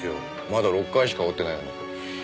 まだ６回しか折ってないのに。